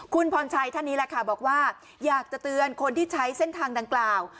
คุณพรชัยท่านนี้แหละค่ะบอกว่าอยากจะเตือนคนที่ใช้เส้นทางดังกล่าว